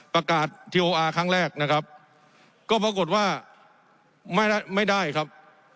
ประกาศทีโออาร์ครั้งแรกนะครับก็ปรากฏว่าไม่ได้ไม่ได้ครับ